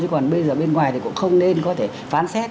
còn bây giờ bên ngoài thì cũng không nên có thể phán xét